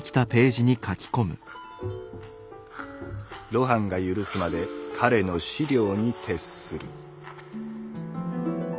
「露伴が許すまで彼の資料に徹する」。